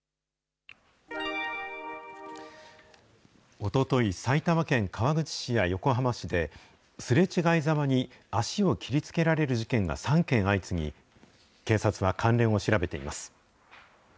おととい、埼玉県川口市や横浜市で、すれ違いざまに足を切りつけられる事件が３件相次ぎ、警察は関連を調べています。